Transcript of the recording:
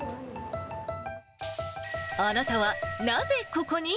あなたはなぜココに？